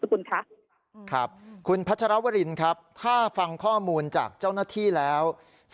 คุณคะครับคุณพัชรวรินครับถ้าฟังข้อมูลจากเจ้าหน้าที่แล้ว